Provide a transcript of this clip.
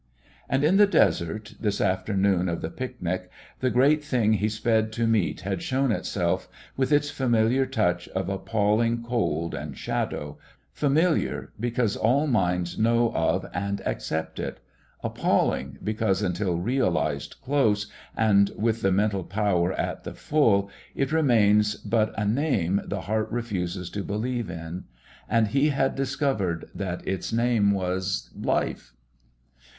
And in the desert, this afternoon of the picnic, the great thing he sped to meet had shown itself with its familiar touch of appalling cold and shadow, familiar, because all minds know of and accept it; appalling because, until realised close, and with the mental power at the full, it remains but a name the heart refuses to believe in. And he had discovered that its name was Life.